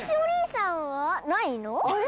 あれ？